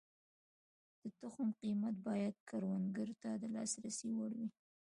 د تخم قیمت باید کروندګر ته د لاسرسي وړ وي.